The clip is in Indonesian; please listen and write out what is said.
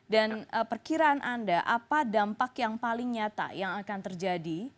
dan perkiraan anda apa dampak yang paling nyata yang akan terjadi